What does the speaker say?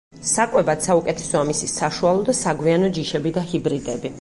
საკვებად საუკეთესოა მისი საშუალო და საგვიანო ჯიშები და ჰიბრიდები.